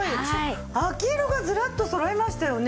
秋色がずらっとそろいましたよね。